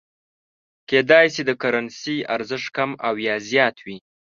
کېدای شي د کرنسۍ ارزښت کم او یا زیات وي.